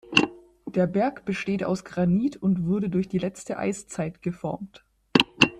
Der Berg besteht aus Granit und wurde durch die letzte Eiszeit geformt.